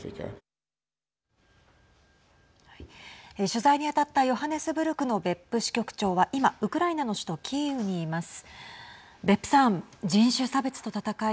取材に当たったヨハネスブルクの別府支局長は今ウクライナの首都キーウにいます。